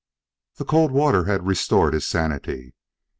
The cold water had restored his sanity.